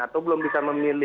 atau belum bisa memilih